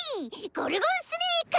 ゴルゴンスネーク！